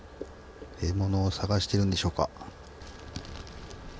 獲物を探しているんでしょうか。